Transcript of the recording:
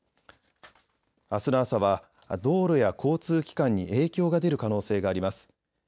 あすの朝は道路や交通機関に影響が出る可能性があります。